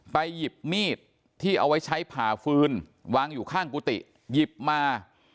หยิบมีดที่เอาไว้ใช้ผ่าฟืนวางอยู่ข้างกุฏิหยิบมา